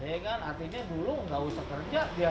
ya kan artinya dulu nggak usah kerja